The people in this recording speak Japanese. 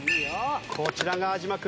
こちらが安嶋君。